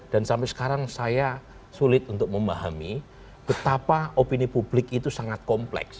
dan sampai sekarang saya sulit untuk memahami betapa opini publik itu sangat kompleks